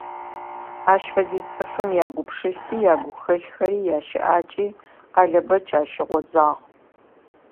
Ащ фэдиз цӀыфым ягупшыси, ягухэлъхэри, ящыӀакӀи Къалэбэч ащыгъозагъ.